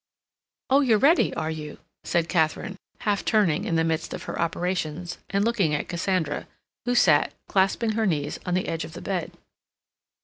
"Oh, you're ready, are you?" said Katharine, half turning in the midst of her operations, and looking at Cassandra, who sat, clasping her knees, on the edge of the bed.